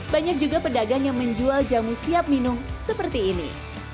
banyak juga pedagang yang menjual jamu siap minum seperti ini